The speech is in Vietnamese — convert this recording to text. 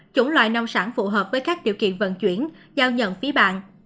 chủng loại nông sản phù hợp với các điều kiện vận chuyển giao nhận phía bàn